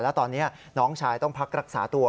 แล้วตอนนี้น้องชายต้องพักรักษาตัว